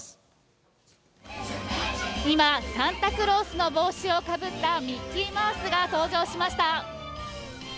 今、サンタクロースの帽子をかぶったミッキーマウスが登場しました。